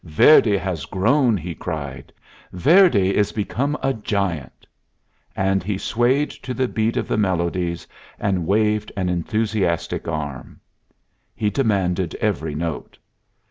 "Verdi has grown," he cried. "Verdi is become a giant." And he swayed to the beat of the melodies, and waved an enthusiastic arm. He demanded every note.